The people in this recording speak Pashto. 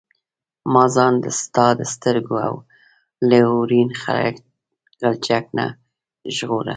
ما ځان د ستا د سترګو له اورین غلچک نه ژغوره.